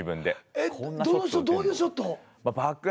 えっどういうショット？